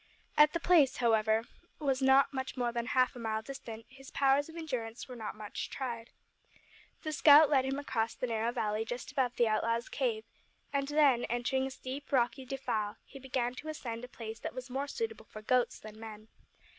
As the place, however, was not much more than half a mile distant his powers of endurance were not much tried. The scout led him across the narrow valley just above the outlaws' cave, and then, entering a steep rocky defile, he began to ascend a place that was more suitable for goats than men.